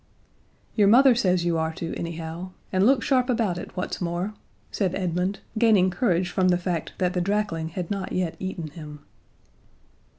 "Your mother says you are to, anyhow; and look sharp about it, what's more," said Edmund, gaining courage from the fact that the drakling had not yet eaten him.